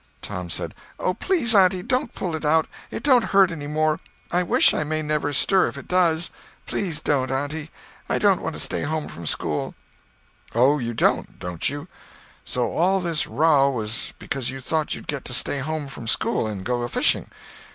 Tom said: "Oh, please, auntie, don't pull it out. It don't hurt any more. I wish I may never stir if it does. Please don't, auntie. I don't want to stay home from school." "Oh, you don't, don't you? So all this row was because you thought you'd get to stay home from school and go a fishing?